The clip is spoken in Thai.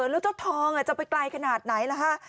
แล้วเจ้าทองจะไปไกลขนาดไหนล่ะฮะ